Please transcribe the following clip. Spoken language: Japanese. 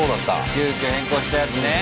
急きょ変更したやつね。